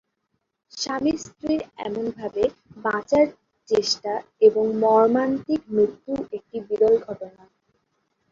স্বামী-স্ত্রীর এমনভাবে বাঁচার চেষ্টা এবং মর্মান্তিক মৃত্যু একটি বিরল ঘটনা।